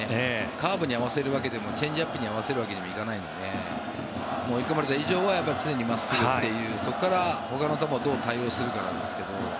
カーブに合わせるわけにもチェンジアップに合わせるわけにもいかないので追い込まれた以上は常に真っすぐというそこからほかのところどう対応するかなんですけど。